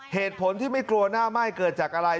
เหตุผลที่ไม่กลัวหน้าไหม้เกิดจากอะไร